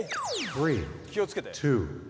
気をつけて。